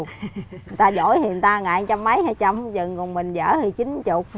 người ta giỏi thì người ta ngày ăn trăm mấy trăm chừng còn mình giỡn thì chín chục